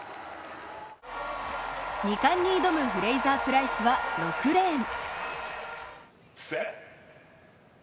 ２冠に挑むフレイザー・プライスは６レーン。